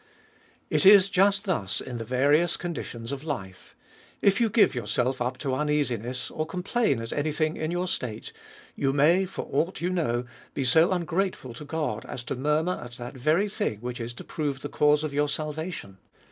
It is just thus in the various conditions of life; if you give yourself up to uneasiness, or complain at any thing in your state, you may, for ought you know, be so ungrateful to God, as to murmur at that very thing", which is to prove the cause of your salvation.